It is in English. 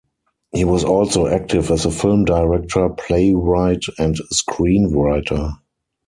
He was also active as a film director, playwright and screenwriter.